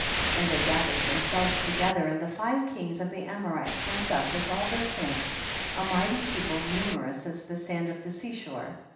57. And they gathered themselves together and the five kings of the Amorites Avent up with all their camps, a mighty people numerous as the sand of the sea shore.